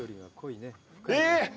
えっ！